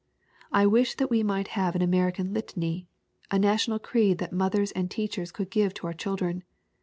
I wish that we might have an Amer ican litany a national creed that mothers and teach ers could give to our children!